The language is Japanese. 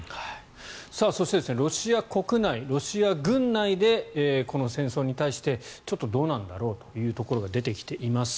そして、ロシア国内ロシア軍内でこの戦争に対してちょっとどうなんだろうというところが出てきています。